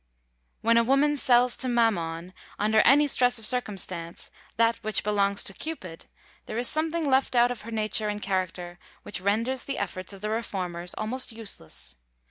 When a woman sells to Mammon, under any stress of circumstance, that which belongs to Cupid, there is something left out of her nature and character which renders the efforts of the reformers almost useless.